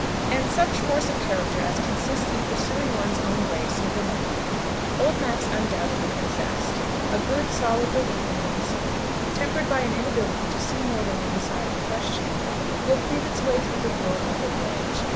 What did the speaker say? And such force of character as consists in pursuing one's own way single mindedly, old Max undoubtedly possessed. A good, solid belief in oneself, tempered by an inability to see more than one side of a question, will cleave its way through the world like a wedge.